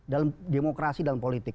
dalam demokrasi dalam politik